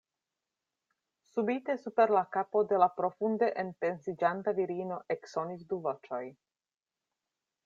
Subite super la kapo de la profunde enpensiĝanta virino eksonis du voĉoj.